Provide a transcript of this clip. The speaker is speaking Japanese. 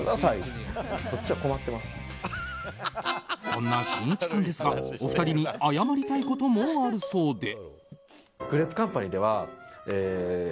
そんなしんいちさんですがお二人に謝りたいこともあるそうで。